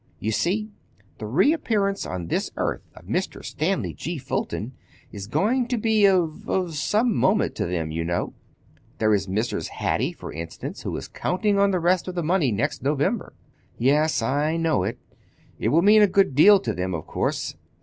You see—the reappearance on this earth of Mr. Stanley G. Fulton is going to be of—of some moment to them, you know. There is Mrs. Hattie, for instance, who is counting on the rest of the money next November." "Yes, I know, it will mean a good deal to them, of course.